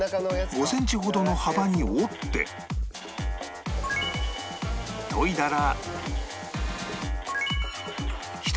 ５センチほどの幅に折って研いだら